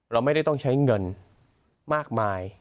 เราไม่ได้ต้องใช้เงินมากมาย